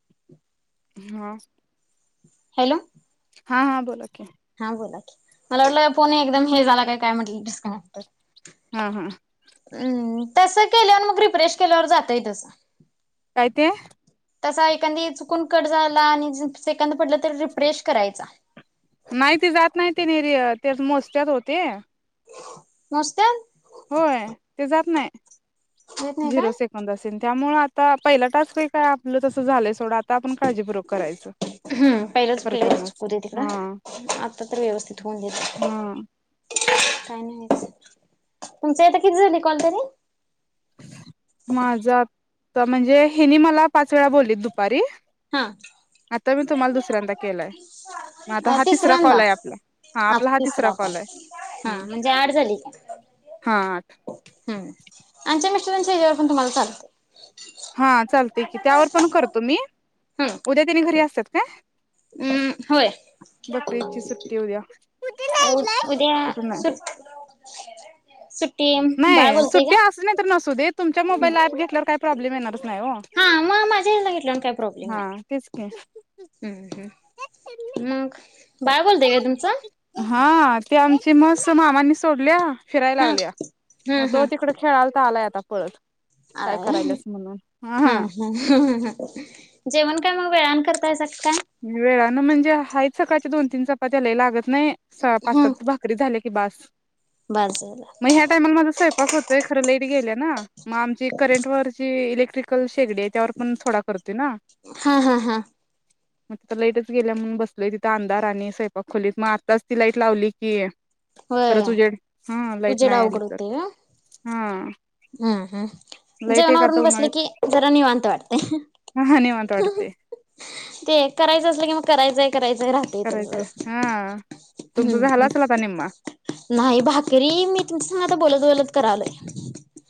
[unintelligible] हा हॅलो हा हा, बोला की, हा बोला की, मला वाटलं फोन एकदम हे झाला का काय, म्हटलं डिस्कनेक्टेड हा हा हम्म तसं केल्यावर, मग रिफ्रेश केल्यावर, जातय तसं काय ते? तसा एखांदा चुकून कट झाला आणि सेकंद पडलं तर रिफ्रेश करायचा नाही ते जात नाही ते नरी ते मोजत्यात हो ते [unintelligible] मोजत्याल होय ते जात नाय येत नाही का झिरो सेकंद असेल त्यामुळ आता पहिला टास्क होइ काय आपलं तस झालंयच हूं पहिलंच फेरीत करतानाच चुकूदे तिकड हा आता तर व्यवस्थित होऊन दे हा काय नाहीच, तुमच आता किती झाली कॉल तरी? माझ आता म्हणजे हेनी मला पाच वेळा बोललेत दुपारी हं आता मी तुम्हाला दुसऱ्यांदा केलाय मग आता अ हा तिसरा तिसऱ्यांदा कॉल आहे आपला हा आपला तिसरा कॉल आहे ह म्हणजे आठ झाली की हा हा हं आमच्या मिस रांच्या ह्याज्यावर तुम्हाला चालतय. हा चालतय की त्यावर पण करतो मी उद्या त्यानी घरी असतात काय? ऊं होय. बकरी ईदची सुट्टी उद्या उ उद्या कुठून नाही सु सूट सुट बाळ नाही बोलतय सुट्टी का? असुदे नाहीतर नस सुदेत तुमच्या मोबाईला ऍप घेतल्यावर काय प्रॉबलेम येणार. हा मग माझ्या ह्याला घेतल्याने काही प्रॉब्लेम हा तेच नाही की हम्म हम्म मग बाळा बोलतय काय तुमचं? हा, ते आमची म्हस मामांनी सोडल्या फिराया हा लागल्या. हा म हा. तो तिकडं खेळालता आलाय आता पळत. हा काय करायलाच म्हणून हा जेवण काय मग? वयान करता सा वेळा म म्हजे हाय सकाळच्या दोन-तीन चपात्या लई लागत नाही सहा, पाच, हम्म सात भाकरी झाले कि बास बर झालं मग ह्या टायमाला माझ स्वयंपाक होतय फार लेट गेल्या ना मग आमची करेंट वरची इलेक ट्रीकल शेगडी आहे त्यावर पण थोडा करत हा हा हा. मग तर लाईटच गेल्या म्हणून बसलय तिथ अंधार आणि स्वयपाक खोलीत मग आत्ताच ती लाईट लावली की होय, परत उजेड हा लाईट उजडा नाही आली अवघड तर होते हा हम्म हम्म लाईट एक आता जेवणावरून बसले उन्हाळ्यात कि जरा निवांत वाटते. हा निवांत वाटते ते करायंच असलं कि मग करायचं आहे. करायचं आहे ह तुमचा झाला हम्म असेल आता नेम नाही भाकरी मी तुमचासन आता बोलत बोलत करालोय.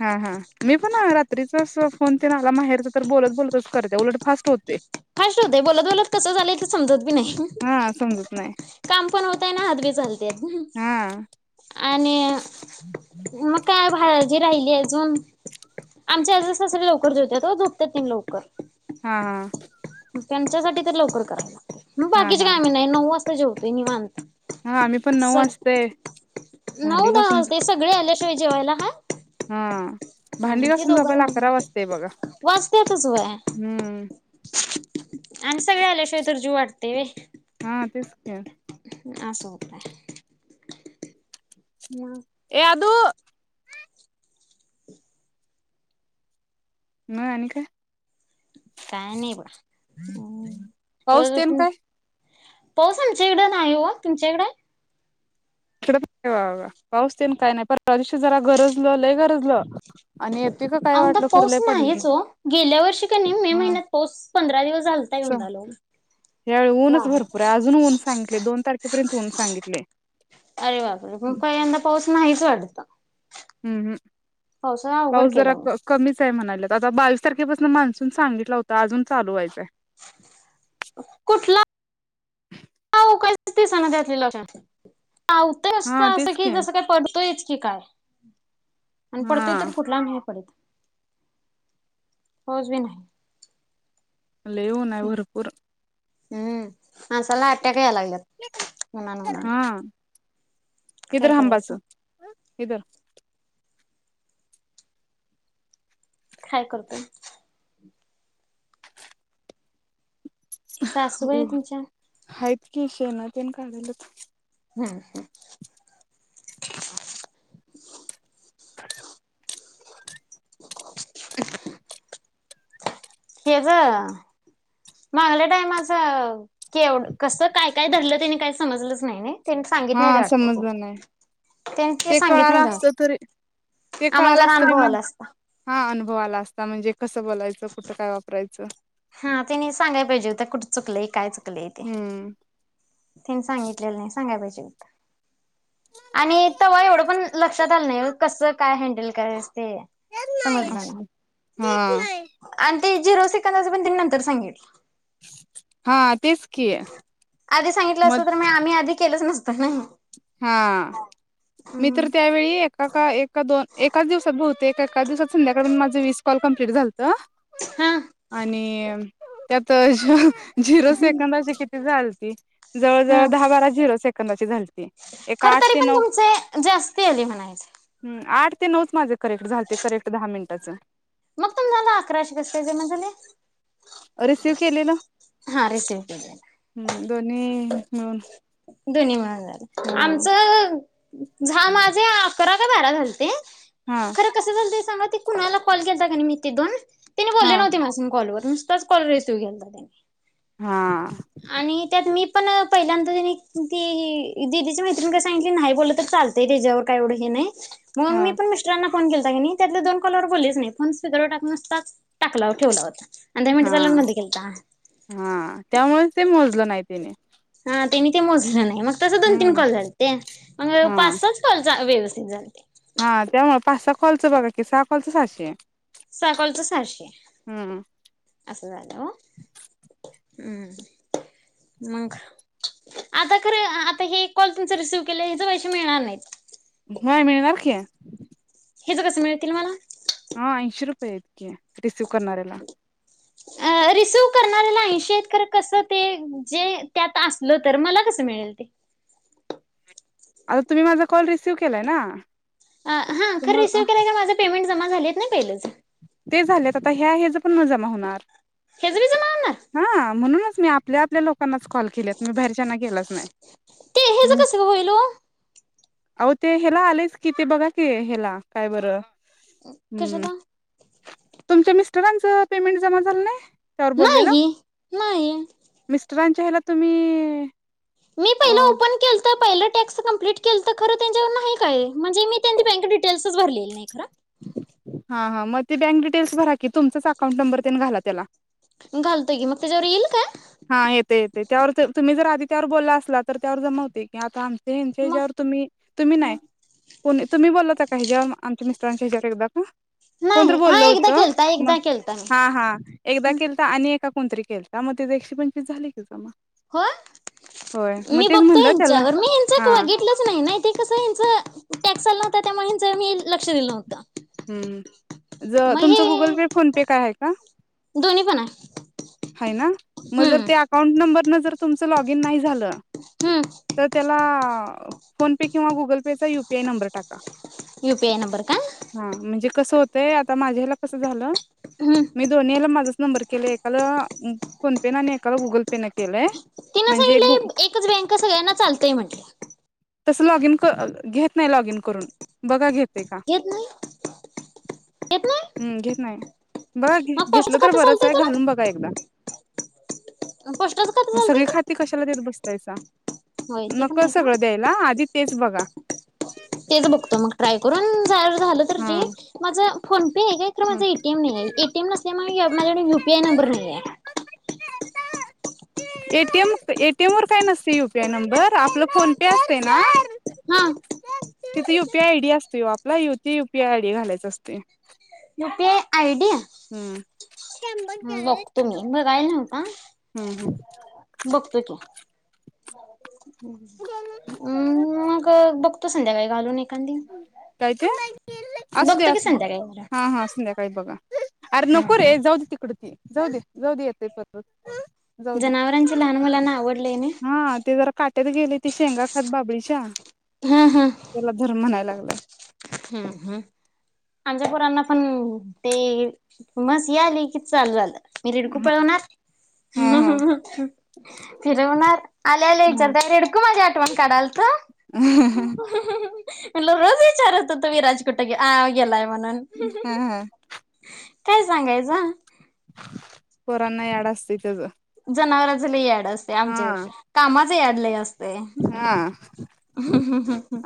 हा हा मी पण रात्रीचाच फोन ते नाला माहेरच तर बोलत-बोलतच करते उलट फास्ट होते. फास्ट होतय बोलत-बोलत कसं झालंय ते समजत बी नाही, हा समजत नाही काम पण होतय ना हात बी चालत्यात हा आणि मग काय भाजी राहिली अजून, आमचे आजल सासरे लवकर जेवत्यात हो झोपत्यात तेन लवकर. हा हा त्यांच्यासाठी तर लवकर करायाला हा बाकीचे हा काम नाही नऊ वाज तर जेवतोय निवांत. हा आम्ही पण नऊ सग वाजतय भांडी घासून चोय जेवायला हां. हां. हम्म, ते दोघं न वाचत्यातच वय हम्म आणि सगळे आल्याशिवाय तरी जीव वाटतय व्हय [inaudible] आस होतय मग ए आदु ह आणि काय काय नाही ब हम्म पाऊस रोज तेन उठून काय पाऊस आमच्याकडं नाही हो तुमच्याइकड इकडे पाऊसतेन काय नाही परिशी जरा गरजलं लय गरजलं आणि येते का काय आमदा वाटल खर पाऊस लंय पडलं नाहीच नाही हो गेल्या वर्षी का नाही मे हा महिन्यात पाऊस पंधरा दिवस झालता च येऊन आलो ह्यावेळी ऊनच नाही भरपूर आहे अजून ऊन सांगितले दोन तारखेपर्यंत ऊन सांगितले. अरे बापरे मग पहील्यांदा पाऊस नाहीच वाटत. हम्म हम्. पावसाला अवघड पाऊस केलं जरा मग क कमी चार म्हणालं आता बावीस तारखेपासून मान्सून सांगितला होता अजून चालू व्हायंय. कुठला तू काच दिसना त्यात लिलेल काय. आवतं हा असं असं तेच की जसं काय पडतोयच. काय? आणि हा पडतोय तर कुठला, नाही पडत. पाऊस बी नाही. लाई ऊन नाही भरपूर हम्म आ सला अट्याक लागल्यात उनानं उन्हानं. इदर हंबास इदर काय करतोय. सासूबाई तुमच्या किशेन ते काढल्यात. हम्म हम्म [inaudible] [inaudible] हेज मगल्या टायमाच एवढ कस काय काय धरलं त्यानी काही समजलंच नाही नाही. त्यांनी सांगित हा नाही वाटतं समजलं ते नाही त्यानी ते सांगित नाही कळाला वाटतं असत तरी ते आम्हाला कळाला अस जरा तरी अनुभव म्हण आला असता हा अनुभ होवाला असता म्हणजे कसं बोलायचं कुठं काय वापरायचं. हा त्यांनी सांगाय पाहिजे होत कुठं चुकलंय काय चुक लय ते हम्म तशी सांगितले नाही सांगा आणि तव्हा एवढं पण लक्षात आलं नाही कस काय हँडल करा ते समजल अस नाही. हा अन ते जीरोजे एकंदाच पण तेनी नंतर सांगितल. हा तेच की आधी सांगितलं असत तर मग आम्ही आधी केलंच नस त ना हा मी तर त्यावेळी एका का एका दोन एकाच दिवसात बहुतेक एका दिवसात संध्याकाळी माझं वीस कॉल कम्प्लिट झालतं. हा आणि त्यात झिरो सेकंदाचे किती झाल ते. जवळजवळ दहा बारा झिरो सेक - कोणाची झाालती खरतरी पण तुमचे जास्ती आले म्हणायचे? आठ ते नऊच माझे करेक्ट झालते करेक्ट दहा मिनिटाचं. मग तुम्हाला अकराशे जमा झाले? रिसिव्ह केलेलं हा रिसीव्ह केले. दोनी मिळून दोन्ही मिळून झालं हा आमचं- झा माझे अकरा का बारा झालते. हा खर कसं झालतीस सांगा ती कुणाला कॉल केलता कणी मी ते दोन तिन हा बोली नव्हती माझ्या संग कॉलवर. नुसताच कॉल रिसिव्ह घ्यायचा त्यांनी हा आणि त्यात मी पण पहिल्या त्यांनी ती दिदीच्या मैत्रिणीकडे सांगितली नाही बोललं तर चालतंय त्याच्यावर काय एवढं हे नाही मग हा मी पण मिस्टरांना. फोन केलता कणी त्यातले दोन कॉलवर बोललेच नाही फोन स्पीकरवर टाक नुसताच टाकला ठेवला होता. अर्धे मिनट हा झाल्यावर बंद केेलता हा त्यामुळेच ते मोजलं नाही तिने- त्यांनी ते मोजलं नाही मग - तस दोन तीन हम्म कॉल झालते ग हा पाच स कॉलचा व्यव [unintelligible] हा त्यामुळं पाच सहा कॉलच बघा की सहा कॉलच सहाशे सहा कॉलच सहाशे हम्म असं झालं हो! हम्म मग आता खरं आता हे कॉल तुमच रिसीव्ह केलं हेच पैसे मिळणार नाहीत. हा मिळणार की हे तर कसं मिळतील मला? हा ऐशी रुपये आहेत. रिसिव्ह करणाऱ्याला. रिसिव्ह करण्याला ऐंशी आहेत खर कस ते जे त्यात असल तर मला कस मिळल ते. आता तुम्ही माझा कॉल रिसिव्ह केलाय ना? हा खर तुम्हाला रिसिव्ह केलाय का माझे पेमें जमा झाली नाही पहिलेच. ते झालेत आता ह्या ह्याच पण माझ जमा होणार. हेच बी जमा होणार हा म्हणूनच मी आप आप आपल्या लो कॉल के म बाहेरच्या गेलाच नाही. ते हेच कसं होईल ओ अह ते हेला आलेच कि ते बघा की हेला काय बरं. कस हम्म ना तुमच्या मिस्टरांच पेमेंट जमा झालं नाही. त्यावर बोललेलं नाहीे नाही आहे. चला तुम्ही मी अ पहिलं ओपन खेलत पहिलं टॅक्स कंप्लीट केल तर खरं त्यांच्यावर नाही काय म्हणजे मी त्यांची बँक डिटेल्सच भरलेली नाही. हा हा मग ते बँक डिटेल्स भरा कि तुमचाच अकाउंट नंबर त्याने घाला त्याला घालतोय गी मग त्याच्यावर येईल काय. हा येते येते त्यावर तुम्ही जर आधी त्यावर बोलला असला तर त्यावर जमवते की आता आम मग ज्यावर तुम्ही तुम्ही नाही कोणी तुम्ही बोललाता काही जेवर आमच्या टांच हजार एक ब कोणत नाही हा बोलल होत एकदा केलता म एकदा केलता मी हा हा एकदा केल तर आणि एका कोणतरी ते एकशे पंचवीस झाले की जमा. हो होय मग मी तेच बघतो म्हणलं त्याला हच्यावर मी हच हा वाघितलंच नाही नाही ते कस हच टॅक्स चाला नव्हता त्यामुळे मी लक्ष दिलं नवतं त अ त तुमचा गुगल पे फोनेपे काय आहे का? दोन्ही पण आहे हम्म लॉग इन नाही झालं. हम्म तर त्याला फोन पे किंवा गुगल पे चा यूपीआय नंबर टाका. युपीए नंबर का हा म्हणजे कसं होतंय आता माझ्याला कसं झालं. हम्म मी दोनी नेल माझ नंबर केले एकाला फोन पे न आणि एकाला गुगल पे न केलंय तिन म्हणजे गु सांगितलं एकच बँका सगळ्यांना चालतय म्हंटले तसं लॉग इन घेत नाही लॉग इन करून बघा घेत ते का घेत नाही घेत नाही हम्म घेत नाही बघ मग पोशाचं घेतलं तर खातं बरंच आहे घालून बघा एकदा पष्टात खात चालतेय तेला. पैसा नकळ सगळं द्यायला आधी तेच बघा. तेच बघतो मग ट्राय करून जर झालं तर हा जी माझं फोन पे हे खरं ह माझं एटीएम नाही एटीएम नस माझ्याकडे युपीआय नंबर नाही आहे. एटीएम एटीएम वर काय नसते युपीआय नंबर आपला फोन पे असत ना. हा तिथे युपीआय आय डी असते आपला यती युपीआय आयडी घालायच असते. ते आयडी. हम्म ह बघतो मी बघायला नव्हता. हम्म हम् बघतो की. [unintelligible] म् मग ब त संध्याकाळी घालुन हे. काय ते? असू बघतो दे्या की असू दे संध्याकाळी जरा हा हा असू हा हा संद्याकाळी बघा अरे हम्म नको रे हम्म जाऊ दे तिकड ते. जाऊ दे जाऊ दे येतेय जाऊ दे जनावरांची लहान मुलांना आवडलंय ना. हा ते जरा काट्यात गेले त शेंगा खत बाबळीच्या, हा त्याला म्हणाय लागलंय. हम् ह आमच्या पोरांना पण ते म्हस याली की चालू झालं. मी रिडकू हा पळवणार हा हा फिरवणार आले आले विचारत रिडकू माझ्या ठवण काडाल ह ह हा हॅलो रोजविचार तात विराजकुट्ट ग ह आ गेलाय म्हणून. हा हा ते सांगायचं. पोरांना याड असते तेज. जनावराचं लई याड. असत्यय आमच्यापेक्षा कामात [unintelligible] याड लयी असते. हा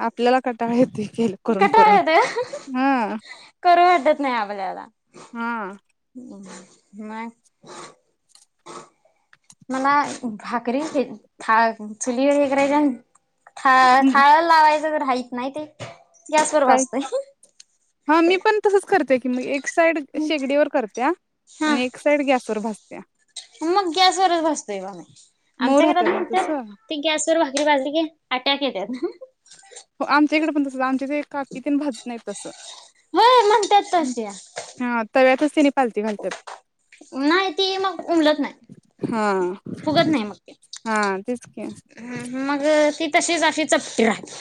आपल्याला क टाळ येतय. कटाळ येतोय, हा करू नाय आपल्याला हा. मग, मला भाकरी हे था चुलीवर हे करायच्या थाळ थाळ लावाय च राहित नाही ते, गॅसवर काय, भाजतंय हा मी पण तसच करतोय. की मग एक एक साईड शेगडी वर करत्या, हा आणि एक साईड गॅस वर भाज त्या. मग गॅसवरच भासतोय बा मी, मऊ आमच्याकडे राहत्यात ना म्हणतात तसं ती गॅसवर भाकरी भाजली की आट्याक येतात. हो आमच्या इकडे पण तसंच, आमच्या इथ काकी तेन भाजत नाही तसं. होय म्हणतात तशा हा तव्यातच तेनी पालती घालत्यात. नाही ती मग उमलत हा नाही. फुगत नाही मग ते हा तेच की मग ती तसेच अशी चपट राहती.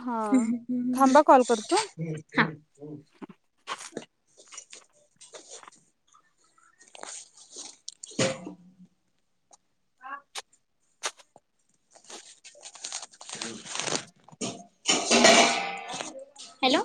हा ह् थांबा कॉल करतो ह् [inaudible] [inaudible] [unintelligible] हॅलो.